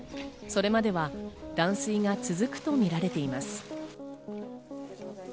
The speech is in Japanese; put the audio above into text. それまでは断水が続くとみられています。